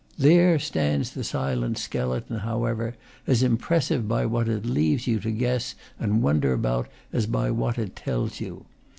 There stands the silent skeleton, however, as impressive by what it leaves you to guess and wonder about as by what it tells you.